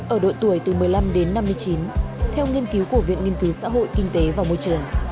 ở độ tuổi từ một mươi năm đến năm mươi chín theo nghiên cứu của viện nghiên cứu xã hội kinh tế và môi trường